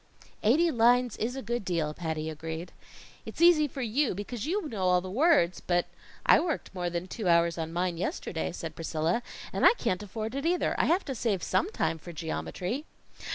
"Eighty lines is a good deal," Patty agreed. "It's easy for you, because you know all the words, but " "I worked more than two hours on mine yesterday," said Priscilla, "and I can't afford it either. I have to save some time for geometry."